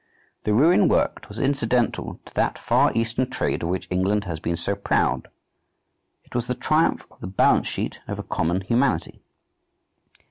The ruin worked was incidental to that far Eastern trade of which England has been so proud. It was the triumph of the balance sheet over common humanity.